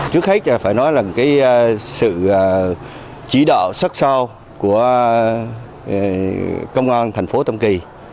trước hết phải nói là sự chỉ đo sắc sao của công an thành phố tâm kỳ